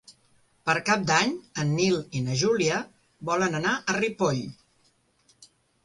Per Cap d'Any en Nil i na Júlia volen anar a Ripoll.